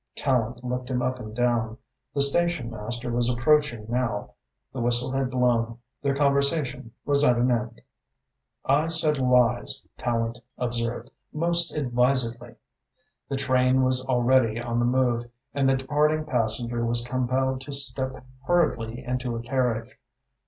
Tallente looked him up and down. The station master was approaching now, the whistle had blown, their conversation was at an end. "I said lies," Tallente observed, "most advisedly." The train was already on the move, and the departing passenger was compelled to step hurriedly into a carriage.